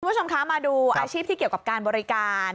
คุณผู้ชมคะมาดูอาชีพที่เกี่ยวกับการบริการ